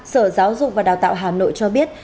sở giáo dục và đào tạo hà nội cho biết